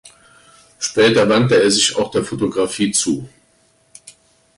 Später wandte er sich auch der Fotografie zu.